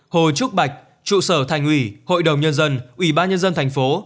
hồ trúc bạch trụ sở thành ủy hội đồng nhân dân ủy ban nhân dân thành phố